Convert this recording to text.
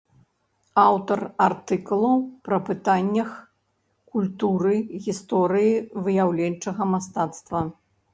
Аўтар артыкулаў пра пытаннях культуры, гісторыі выяўленчага мастацтва.